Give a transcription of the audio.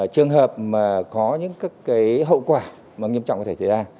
trường hợp mà có những các hậu quả nghiêm trọng có thể xảy ra